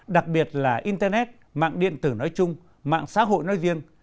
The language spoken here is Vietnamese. đặc biệt là internet mạng điện tử nói chung mạng xã hội nói riêng